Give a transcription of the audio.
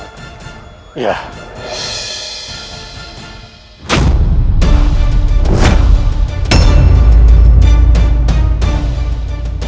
cik guru kita diintai